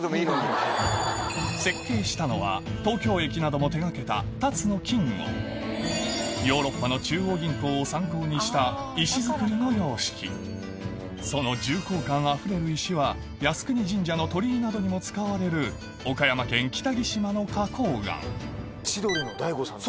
設計したのは東京駅なども手がけたヨーロッパの中央銀行を参考にした石造りの様式その重厚感あふれる石は靖国神社の鳥居などにも使われる岡山県北木島の花こう岩千鳥の大悟さんの。